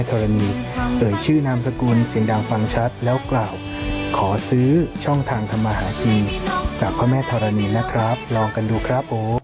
โอ้โหเป็นขั้นเป็นตอนเลยนะ